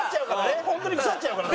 ホントに腐っちゃうからね。